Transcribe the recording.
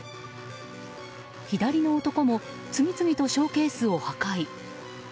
左の男も次々とショーケースを破壊。